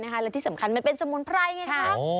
และที่สำคัญมันเป็นสมุนไพรไงครับ